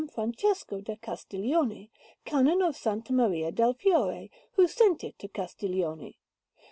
Francesco da Castiglioni, Canon of S. Maria del Fiore, who sent it to Castiglioni.